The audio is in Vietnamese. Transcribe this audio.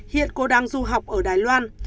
hiện cô đang du học ở đài loan